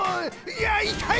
いやいたい！